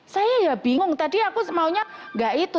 saya ya bingung tadi aku maunya nggak itu